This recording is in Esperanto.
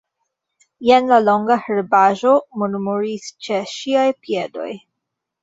Jen la longa herbaĵo murmuris ĉe ŝiaj piedoj.